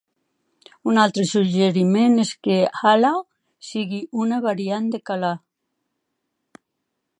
Un altre suggeriment és que Halah sigui una variant de Calah.